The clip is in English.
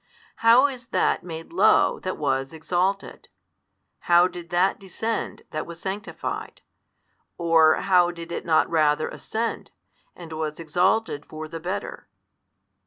How is That made low that was exalted, how did That descend that was sanctified, or how did it not rather ascend, and was exalted for the better?